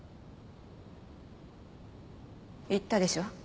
言ったでしょ？